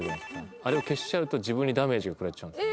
あれを消しちゃうと自分にダメージが食らっちゃうんですね。